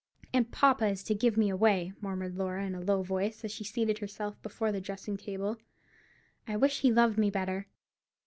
"And papa is to give me away!" murmured Laura, in a low voice, as she seated herself before the dressing table. "I wish he loved me better."